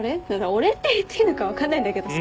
お礼って言っていいのか分かんないんだけどさ。